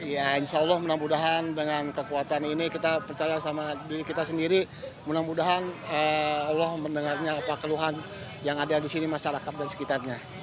ya insya allah mudah mudahan dengan kekuatan ini kita percaya sama diri kita sendiri mudah mudahan allah mendengarnya apa keluhan yang ada di sini masyarakat dan sekitarnya